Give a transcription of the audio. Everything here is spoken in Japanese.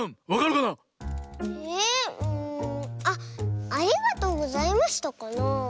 あっ「ありがとうございました」かなあ。